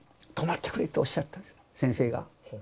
「止まってくれ」とおっしゃったんですよ先生が。